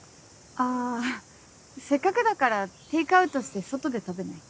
あせっかくだからテークアウトして外で食べない？